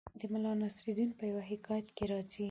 د ملا نصرالدین په یوه حکایت کې راځي